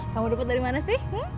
kamu dapat dari mana sih